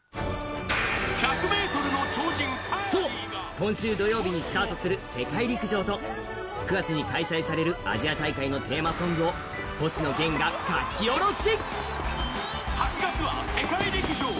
今週土曜日にスタートする、「世界陸上」と９月に開催されるアジア大会のテーマソングを星野源が書き下ろし。